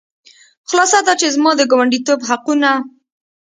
خلاصه دا چې زما د ګاونډیتوب حقونه.